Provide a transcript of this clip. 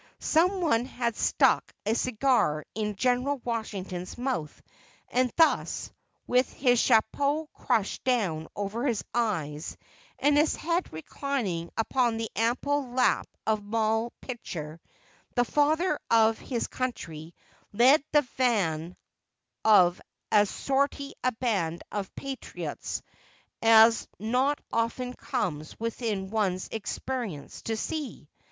Some one had stuck a cigar in General Washington's mouth, and thus, with his chapeau crushed down over his eyes and his head reclining upon the ample lap of Moll Pitcher, the Father of his Country led the van of as sorry a band of patriots as not often comes within one's experience to see.